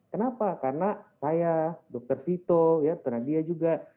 kenapa karena saya dr vito ya nadia juga